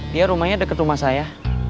dia rumahnya dekat rumah saya